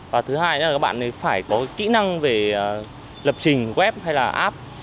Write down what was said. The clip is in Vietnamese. và thứ hai nữa là các bạn phải có kỹ năng về lập trình web hay là app